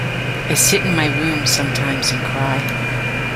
I sit in my room sometimes and cry.